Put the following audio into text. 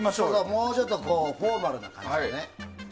もうちょっとフォーマルな感じね。